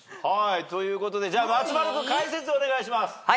ということで松丸君解説お願いします。